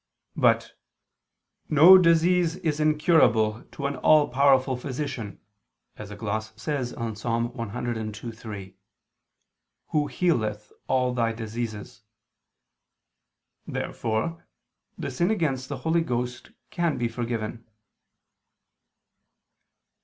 But "no disease is incurable to an all powerful physician," as a gloss says on Ps. 102:3, "Who healeth all thy diseases." Therefore the sin against the Holy Ghost can be forgiven.